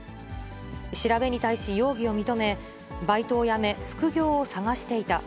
調べに対し容疑を認め、バイトを辞め、副業を探していた。